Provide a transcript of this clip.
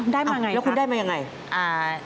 ได้มาอย่างไรค่ะอ๋อแล้วคุณได้มาอย่างไรครับอ่า